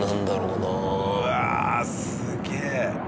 うわーすげえ。